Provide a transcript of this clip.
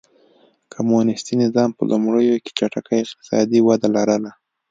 کمونېستي نظام په لومړیو کې چټکه اقتصادي وده لرله.